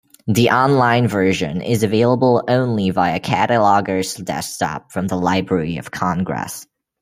The online version is available only via Cataloger's Desktop from the Library of Congress.